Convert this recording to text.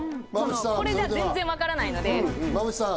これじゃあ全然分からないので馬淵さん